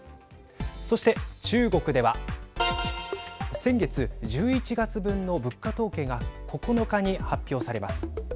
そして、中国では先月１１月分の物価統計が９日に発表されます。